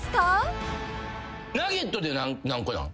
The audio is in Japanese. ナゲットで何個なん？